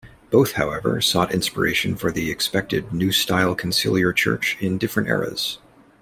Both however sought inspiration for the expected new style conciliar church in different eras.